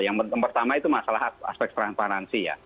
yang pertama itu masalah aspek transparansi ya